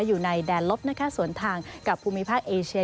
อยู่ในแดนลบนะคะสวนทางกับภูมิภาคเอเชีย